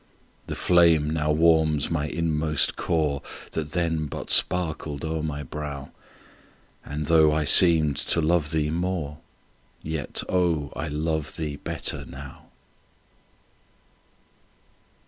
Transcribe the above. The flame now warms my inmost core, That then but sparkled o'er my brow, And, though I seemed to love thee more, Yet, oh, I love thee better now.